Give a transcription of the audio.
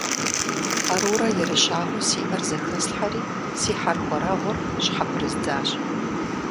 Къарурэ ерыщагъыу сиӏэр зэхэслъхьэри, си хьэрхуэрэгъур щхьэпрыздзащ.